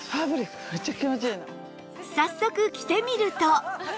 早速着てみると